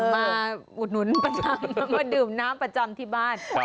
อุดหนุนประจำมาดื่มน้ำประจำที่บ้าน